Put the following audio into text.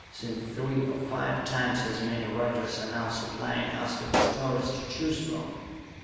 since three or five times as many writers are now supplying us with stories to choose from?